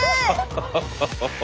ハハハハ！